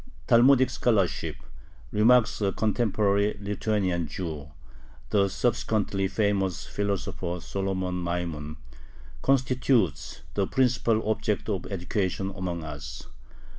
Talmudic scholarship remarks a contemporary Lithuanian Jew, the subsequently famous philosopher Solomon Maimon constitutes the principal object of education among us.